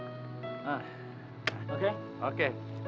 sampai jumpa lagi